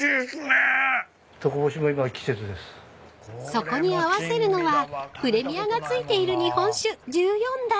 ［そこに合わせるのはプレミアが付いている日本酒十四代］